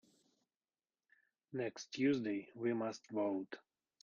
Next Tuesday we must vote.